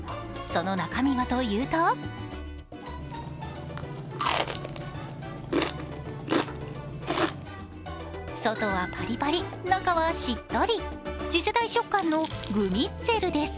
その中身はというと外はパリパリ、中はしっとり、次世代食感のグミッツェルです。